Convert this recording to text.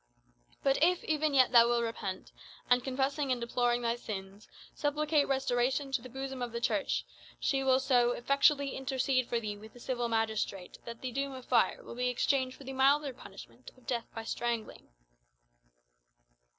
But if even yet thou wilt repent, and, confessing and deploring thy sins, supplicate restoration to the bosom of the Church, she will so effectually intercede for thee with the civil magistrate that the doom of fire will be exchanged for the milder punishment of death by strangling."